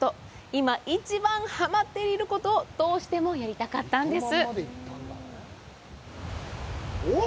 今、一番はまっていることをどうしてもやりたかったんです。